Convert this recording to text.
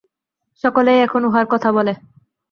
সকলেই এখন উহার কথা বলে।